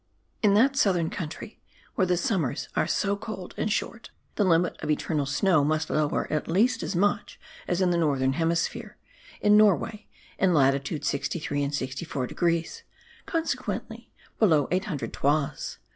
In that southern country, where the summers are so cold and short, the limit of eternal snow must lower at least as much as in the northern hemisphere, in Norway, in latitude 63 and 64 degrees; consequently below 800 toises.